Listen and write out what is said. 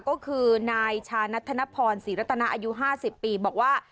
ก็คือนายชานัฐนพรศรีรษนาอายุห้าสิบปีบอกว่า